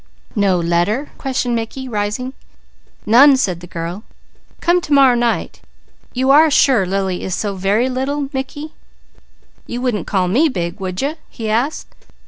"No letter?" questioned Mickey, rising. "None!" said the girl. "Come to morrow night. You are sure Lily is so very little, Mickey?" "You wouldn't call me big, would you?" he asked.